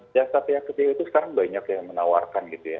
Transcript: jasa pihak ketiga itu sekarang banyak yang menawarkan gitu ya